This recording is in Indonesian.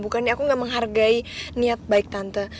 bukannya aku gak menghargai niat baik tante